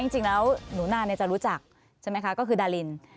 จริงแล้วหนูนานจะรู้จักใช่ไหมคะก็คือดาริน